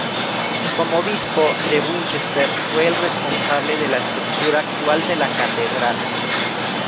Como obispo de Winchester fue el responsable de la estructura actual de la catedral.